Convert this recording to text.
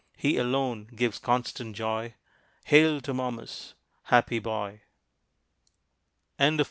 He alone gives constant joy, Hail to Momus, happy boy. I DREAM.